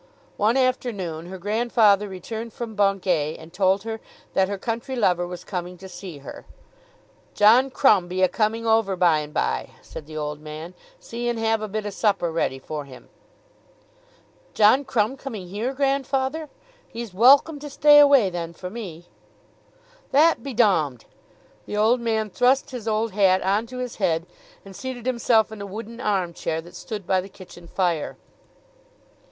One afternoon her grandfather returned from Bungay and told her that her country lover was coming to see her. "John Crumb be a coming over by and by," said the old man. "See and have a bit o' supper ready for him." "John Crumb coming here, grandfather? He's welcome to stay away then, for me." "That be dommed." The old man thrust his old hat on to his head and seated himself in a wooden arm chair that stood by the kitchen fire.